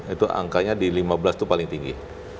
itu angkanya di lima belas itu paling tinggi